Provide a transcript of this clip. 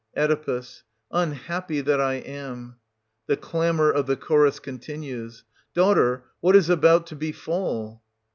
Oe. Unhappy that I am!. ..(2"/^^ clamour of the Chorus r^/^^^m^^^)... Daughter, what is about to befall.'